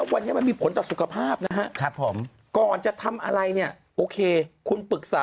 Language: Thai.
วันนี้มันมีผลต่อสุขภาพนะครับผมก่อนจะทำอะไรเนี่ยโอเคคุณปรึกษา